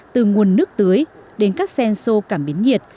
từ nguồn nước tưới đến các sen sô cảm biến nhiệt